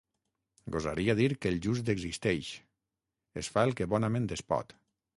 Gosaria dir que el just existeix, es fa el que bonament es pot.